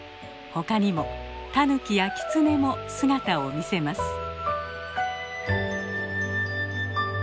他にもタヌキやキツネも姿を見せます。